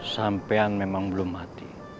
sampean memang belum mati